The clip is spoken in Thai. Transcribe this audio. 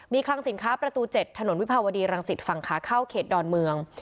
มีคลังสินค้าประตู๗ถนนวิภาวดีรังสิตฝั่งขาเข้าเขตดอนเมือง